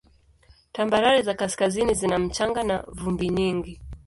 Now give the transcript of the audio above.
Tambarare za kaskazini zina mchanga na vumbi nyingi.